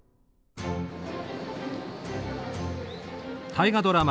大河ドラマ